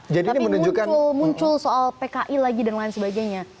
muncul soal pki lagi dan lain sebagainya